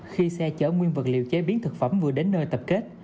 khi xe chở nguyên vật liệu chế biến thực phẩm vừa đến nơi tập kết